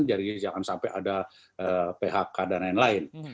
jadi jangan sampai ada phk dan lain lain